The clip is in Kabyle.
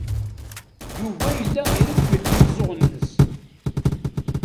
Yuba yella ireggel imeẓẓuɣen-nnes.